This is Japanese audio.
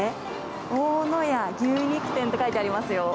大野屋牛肉店って書いてありますよ。